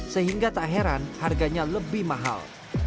sehingga tak heran harganya lebih mahal